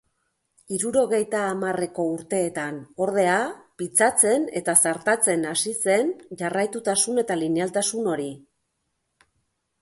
Hirurogeita hamarreko urteetan, ordea, pitzatzen eta zartatzen hasi zen jarraitutasun eta linealtasun hori.